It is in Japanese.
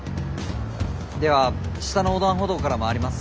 では下の横断歩道から回ります。